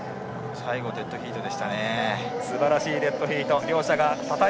最後デッドヒートでしたね。